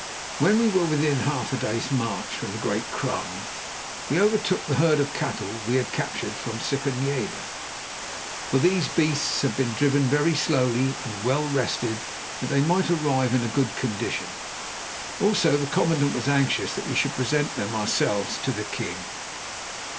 When we were within half a day's march from the Great Kraal we overtook the herd of cattle that we had recaptured from Sikonyela, for these beasts had been driven very slowly and well rested that they might arrive in good condition. Also the commandant was anxious that we should present them ourselves to the king.